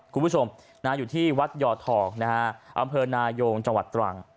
คุณผู้ชมอยู่ที่วัดยอทองนะฮะอำเภอนายงจังหวัดตรัง